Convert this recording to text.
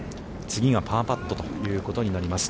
次がパーパットということになります。